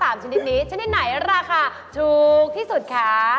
ชนิดนี้ชนิดไหนราคาถูกที่สุดคะ